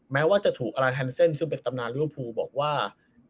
แม้ว่าจะถูกอลานแฮนเซ็นซ์ซึ่งเป็นตำนานเรื้อภูว์บอกว่า